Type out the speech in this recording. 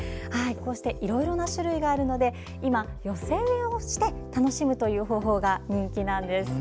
いろいろな種類があるので今、寄せ植えをして楽しむという方法が人気なんです。